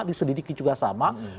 disedidiki juga sama